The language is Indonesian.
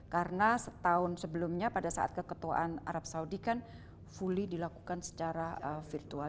karena setahun sebelumnya pada saat keketuaan arab saudi kan fully dilakukan secara virtual